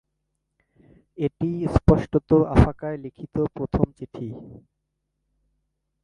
এটিই স্পষ্টত আফাকায় লিখিত প্রথম চিঠি।